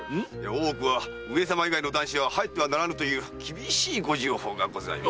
大奥は上様以外の男子は入ってはならぬという厳しいご定法がございます。